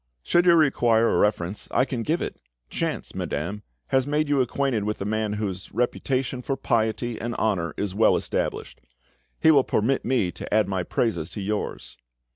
"Should you require a reference, I can give it. Chance, madame, has made you acquainted with a man whose, reputation for piety and honour is well established; he will permit me to add my praises to yours."